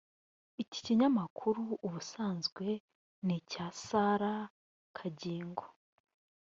Iki kinyamakuru ubusanzwe ni icya Sarah Kagingo